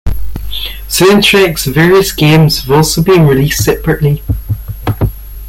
Soundtracks of various games have also been released separately.